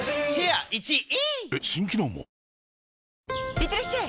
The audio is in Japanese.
いってらっしゃい！